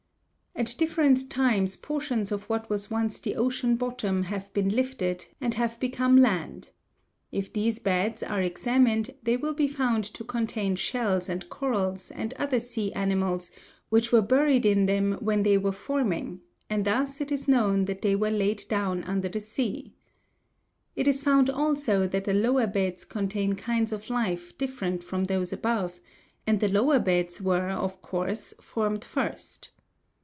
At different times portions of what was once the ocean bottom have been lifted and have become land. If these beds are examined they will be found to contain shells and corals and other sea animals which were buried in them when they were forming, and thus it is known that they were laid down under the sea. It is found also that the lower beds contain kinds of life different from those above, and the lower beds were, of course, formed first.